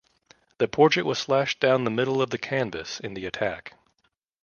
The portrait was slashed down the middle of the canvas in the attack.